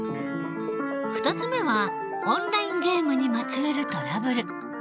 ２つ目はオンラインゲームにまつわるトラブル。